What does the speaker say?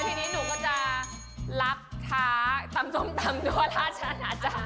ทีนี้หนูก็จะลับท้าตำซมตำหน้วลาชรรค์นะจ๊ะ